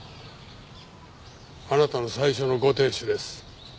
あなたの最初のご亭主です。